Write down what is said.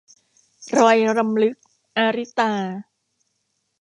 รอยรำลึก - อาริตา